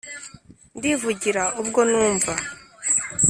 ndivugira ubwo numva